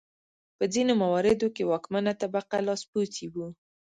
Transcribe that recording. په ځینو مواردو کې واکمنه طبقه لاسپوڅي وو.